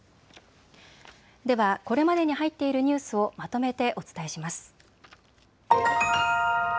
では、これまでに入っているニュースをまとめてお伝えします。